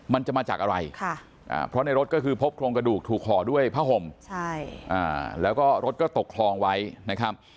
มันจะมาจากอะไรเพราะในรถก็คือพบโครงกระดูกถูกห่อด้วยผ้าห่มแล้วก็รถก็ตกคลองไว้นะครับ